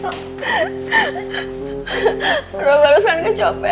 ikhlas udah udah ikhlas ikhlasin